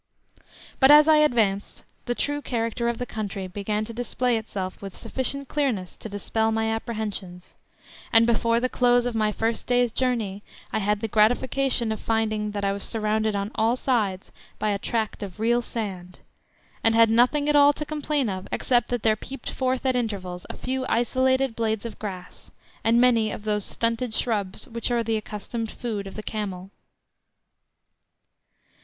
But as I advanced the true character of the country began to display itself with sufficient clearness to dispel my apprehensions, and before the close of my first day's journey I had the gratification of finding that I was surrounded on all sides by a tract of real sand, and had nothing at all to complain of except that there peeped forth at intervals a few isolated blades of grass, and many of those stunted shrubs which are the accustomed food of the camel.